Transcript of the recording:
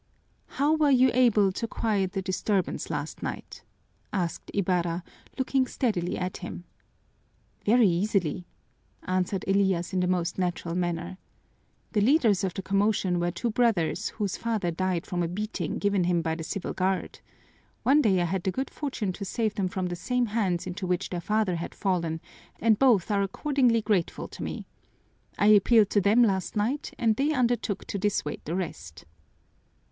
"How were you able to quiet the disturbance last night?" asked Ibarra, looking steadily at him. "Very easily," answered Elias in the most natural manner. "The leaders of the commotion were two brothers whose father died from a beating given him by the Civil Guard. One day I had the good fortune to save them from the same hands into which their father had fallen, and both are accordingly grateful to me. I appealed to them last night and they undertook to dissuade the rest."